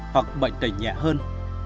hoặc bệnh tình nhẹ hơn